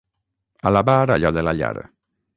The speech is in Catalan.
Alabar allò de la llar.